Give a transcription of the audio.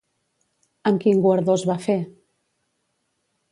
Amb quin guardó es va fer?